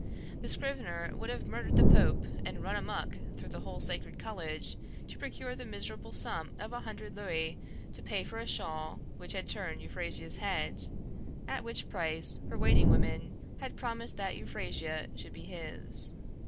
The scrivener would have murdered the Pope and run amuck through the whole sacred college to procure the miserable sum of a hundred louis to pay for a shawl which had turned Euphrasia's head, at which price her waiting woman had promised that Euphrasia should be his.